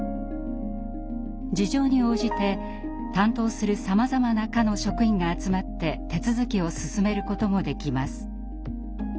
事情に応じて担当するさまざまな課の職員が集まって手続きを進めることもできます。